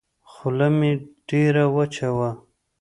خوله مې ډېره وچه وه.